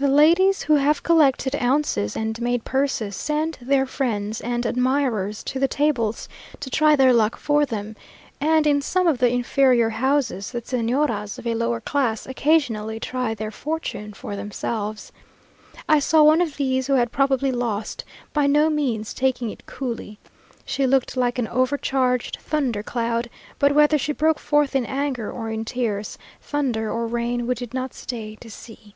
The ladies who have collected ounces and made purses, send their friends and admirers to the tables to try their luck for them; and in some of the inferior houses, the Señoras of a lower class occasionally try their fortune for themselves. I saw one of these, who had probably lost, by no means "taking it coolly." She looked like an overcharged thunder cloud; but whether she broke forth in anger or in tears, thunder or rain, we did not stay to see.